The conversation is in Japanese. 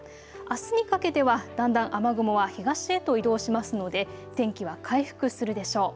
あすにかけては、だんだん雨雲は東へと移動しますので天気は回復するでしょう。